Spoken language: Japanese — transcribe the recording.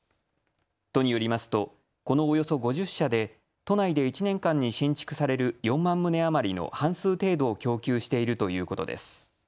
都によりますとこのおよそ５０社で都内で１年間に新築される４万棟余りの半数程度を供給しているということです。